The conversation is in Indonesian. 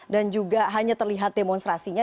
dan juga hanya terlihat demonstrasinya